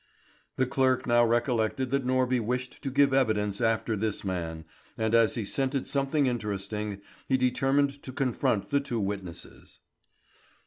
The clerk now recollected that Norby wished to give evidence after this man, and as he scented something interesting, he determined to confront the two witnesses.